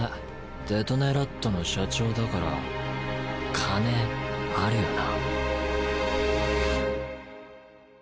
デトネラットの社長だから金あるよな。